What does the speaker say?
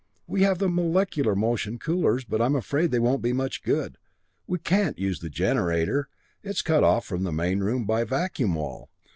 We have the molecular motion coolers, but I'm afraid they won't be much good. Can't use the generator it's cut off from the main room by vacuum wall.